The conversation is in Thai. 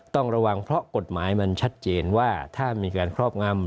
ต้องระวังเพราะกฎหมายมันชัดเจนว่าถ้ามีการครอบงำ